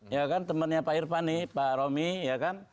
ya kan temannya pak irvani pak romi ya kan